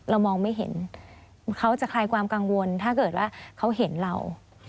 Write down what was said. เรามองไม่เห็นเขาจะคลายความกังวลถ้าเกิดว่าเขาเห็นเรา